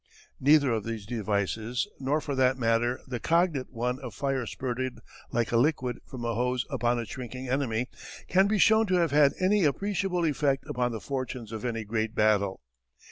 Neither of these devices, nor for that matter the cognate one of fire spurted like a liquid from a hose upon a shrinking enemy, can be shown to have had any appreciable effect upon the fortunes of any great battle.